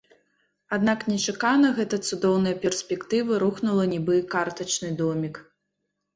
Аднак нечакана гэта цудоўная перспектыва рухнула нібы картачны домік.